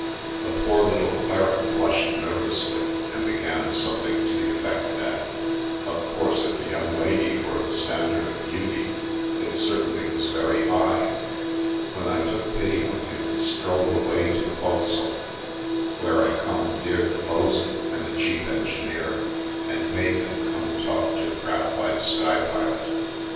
" The poor little cleric blushed nervously and began something to the effect that " of course if the young lady were the standard of beauty, it certainly was very high," when I took pity on him and strolled away to the fo'c'sle, where I commandeered the bo'sun and the chief engineer and made them come and talk to the gratified sky pilot.